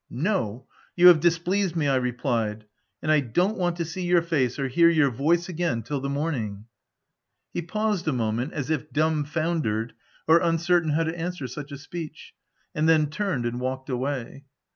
No ; you have displeased me/' I replied, " and I don't want to see your face or hear your voice again till the morning." He paused a moment, as if dumbfoundered or uncertain how to answer such a speech, and then turned and walked away.